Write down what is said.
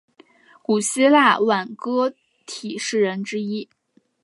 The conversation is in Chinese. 古希腊挽歌体诗人之一。